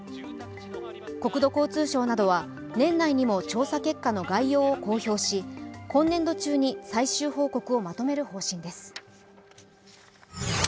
国土交通省などは年内にも調査結果の概要を公表し今年度中に最終報告をまとめる方針です。